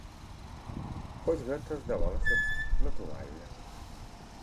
Хоць гэта, здавалася б, натуральна.